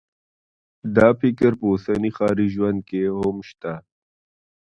دا فکر په اوسني ښاري ژوند کې هم شته